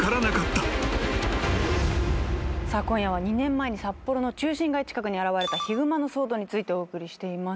今夜は２年前に札幌の中心街近くに現れたヒグマの騒動についてお送りしています。